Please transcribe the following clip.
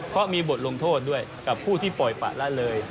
พอมีบทลงโทษด้วยกับผู้ที่ปล่อยปั๊ะรัดเลย